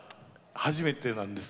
初めてなんです。